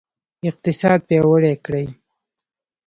اقتصاد پیاوړی کړئ